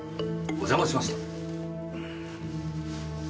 お邪魔しました。